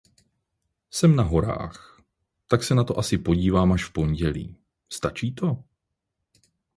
Jsem na horách, tak se na to asi podívám až v pondělí. Stačí to?